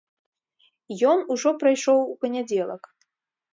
Ён ужо прайшоў у панядзелак.